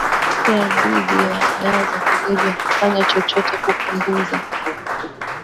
sheria dhidi ya dawa za kulevya hufanya chochote kupunguza